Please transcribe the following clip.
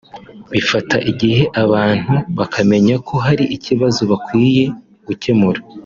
Bifata igihe abantu bakamenya ko hari ikibazo bakwiye gukemura